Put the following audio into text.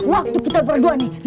waktu kita berdua nih